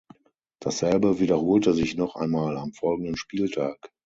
Dasselbe wiederholte sich noch einmal am folgenden Spieltag.